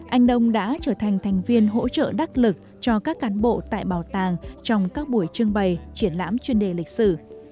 anh đông đã trở thành thành viên hỗ trợ đắc lực cho các cán bộ tại bảo tàng trong các buổi trưng bày triển lãm chuyên đề lịch sử